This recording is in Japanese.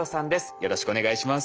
よろしくお願いします。